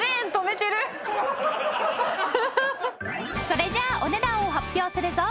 それじゃあお値段を発表するぞ！